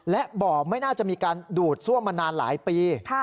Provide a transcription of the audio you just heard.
และบ่อไม่น่าจะมีการดูดซ่วมมานานหลายปี